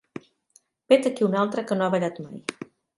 Vet aquí un altre que no ha ballat mai.